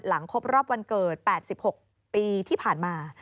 ครบรอบวันเกิด๘๖ปีที่ผ่านมา